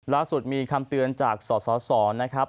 ล่าสุดมีคำเตือนจากสสนะครับ